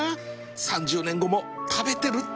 ３０年後も食べてるって